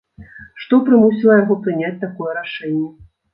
Што прымусіла яго прыняць такое рашэнне?